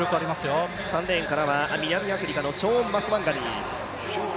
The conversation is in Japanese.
３レーンからは南アフリカのショーン・マスワンガニー。